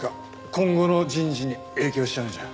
今後の人事に影響しちゃうんじゃ。